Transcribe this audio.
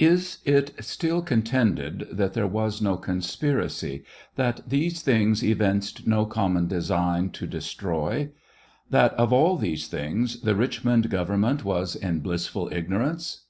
Is it still contended that there was no conspiracy ; that these things evinced no common design to destroy ; that of all these things the Richmond govern ment were in blissful ignorance